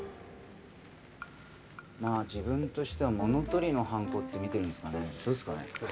まあ自分としては物取りの犯行ってみてるんですがねどうですかね。